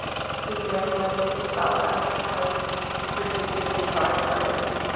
His grandson was the South Africa Test cricketer Clive Rice.